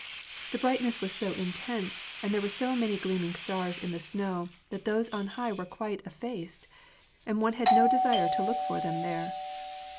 The brightness was so intense, and there were so many gleam ing stars in the snow that those on high were quite effaced, and one had no desire to look for them there.